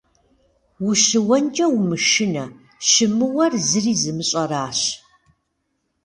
Ущыуэнкӏэ умышынэ, щымыуэр зыри зымыщӏэращ.